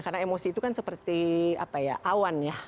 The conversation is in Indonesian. karena emosi itu kan seperti awan ya